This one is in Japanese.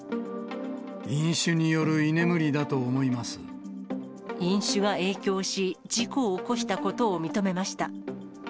飲酒による居眠りだと思いま飲酒が影響し、事故を起こしたことを認めました。